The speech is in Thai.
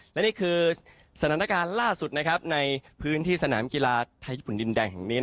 และนี่คือสถานการณ์ล่าสุดนะครับในพื้นที่สนามกีฬาไทยญี่ปุ่นดินแดง